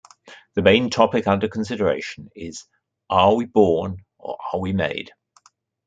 The main topic under consideration is: "Are we born or are we made?".